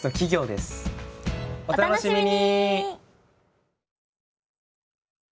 お楽しみに！